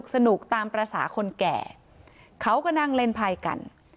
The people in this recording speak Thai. สนุกตามภาษาคนแก่เขาก็นั่งเล่นภัยกัน